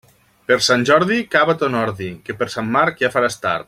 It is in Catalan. Per Sant Jordi, cava ton ordi, que per Sant Marc ja faràs tard.